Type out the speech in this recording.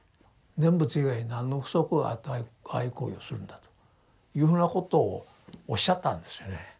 念仏以外なんの不足があってああいう行為をするんだというふうなことをおっしゃったんですよね。